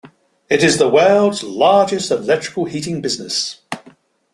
It is the world's largest electrical heating business.